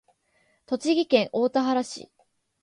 栃木県大田原市